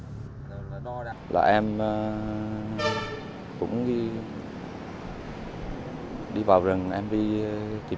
trần văn ánh sinh năm một nghìn chín trăm chín mươi tám trần hồng phúc sinh năm một nghìn chín trăm chín mươi tám